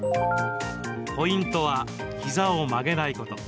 ポイントは、膝を曲げないこと。